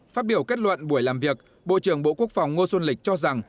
phát biểu kết luận buổi làm việc bộ trưởng bộ quốc phòng ngô xuân lịch cho rằng